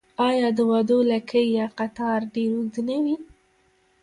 آیا د واده ولکۍ یا قطار ډیر اوږد نه وي؟